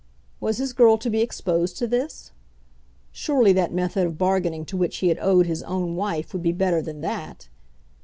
Was his girl to be exposed to this? Surely that method of bargaining to which he had owed his own wife would be better than that.